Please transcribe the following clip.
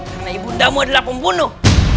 karena ibundamu adalah pembunuh